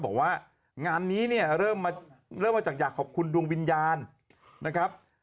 บอกว่างานนี้เนี่ยเริ่มมาจากอยากขอบคุณดวงวิญญาณนะครับ